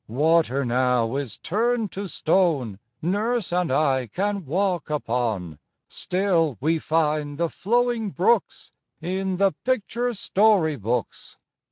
Water now is turned to stone Nurse and I can walk upon; Still we find the flowing brooks In the picture story books.